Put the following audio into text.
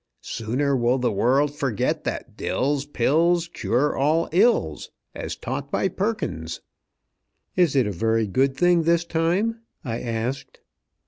Sooner will the world forget that 'Dill's Pills Cure All Ills,' as taught by Perkins!" "Is it a very good thing, this time?" I asked.